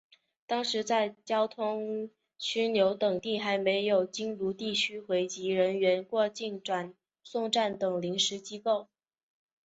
当时在交通枢纽等地还设有京沪地区回籍人员过境转送站等临时机构。